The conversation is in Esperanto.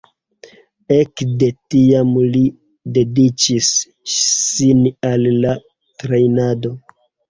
Ekde tiam li dediĉis sin al la trejnado.